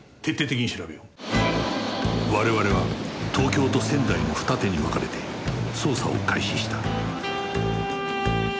我々は東京と仙台の二手に分かれて捜査を開始した